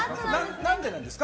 何でなんですか？